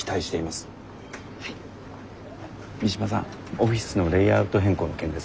オフィスのレイアウト変更の件ですが。